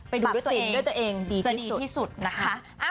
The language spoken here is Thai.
ไปดูด้วยตัวเองจะดีที่สุดนะคะ